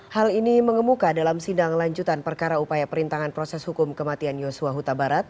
hal ini mengemuka dalam sidang lanjutan perkara upaya perintangan proses hukum kematian yosua huta barat